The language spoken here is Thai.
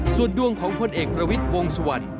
ส่วนดวงของพลเอกประวิทย์วงสุวรรณ